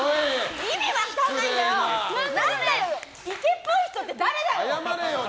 っぽい人って誰だよ！